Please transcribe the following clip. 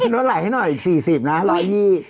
นวดไหล่ให้หน่อยอีก๔๐นะ๑๒๐จับปุ๊บ